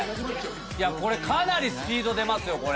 これかなりスピード出ますよ。